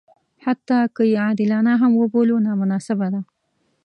حتی که یې عادلانه هم وبولو نامناسبه ده.